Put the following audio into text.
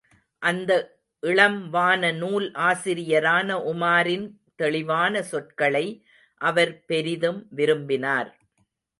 அந்த இளம் வானநூல் ஆசிரியரான உமாரின் தெளிவான சொற்களை அவர் பெரிதும் விரும்பினார்.